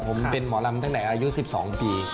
ผมเป็นหมอลำตั้งแต่อายุ๑๒ปี